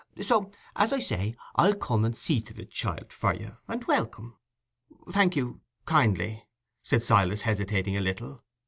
So, as I say, I'll come and see to the child for you, and welcome." "Thank you... kindly," said Silas, hesitating a little.